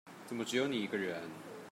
怎麼只有你一個人